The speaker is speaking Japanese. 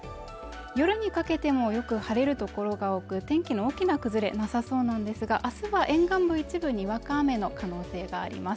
夜にかけてもよく晴れる所が多く天気の大きな崩れなさそうなんですがあすは沿岸部一部にわか雨の可能性があります